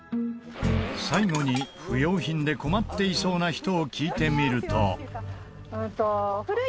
最後に不要品で困っていそうな人を聞いてみると。